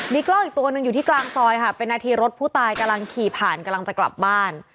มีกล้องอีกตัวหนึ่งอยู่ที่กลางซอยค่ะเป็นนาทีรถผู้ตายกำลังขี่ผ่านกำลังจะกลับบ้าน